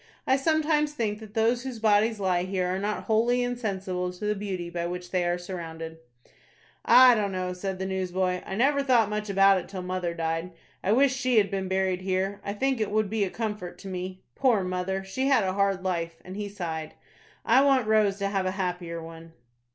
I sometimes think that those whose bodies lie here are not wholly insensible to the beauty by which they are surrounded." "I don't know," said the newsboy, "I never thought much about it till mother died. I wish she had been buried here. I think it would be a comfort to me. Poor mother! she had a hard life;" and he sighed. "I want Rose to have a happier one."